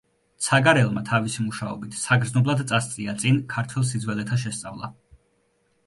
ცაგარელმა თავისი მუშაობით საგრძნობლად წასწია წინ ქართლ სიძველეთა შესწავლა.